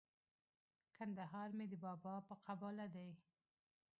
کندهار مي د بابا په قباله دی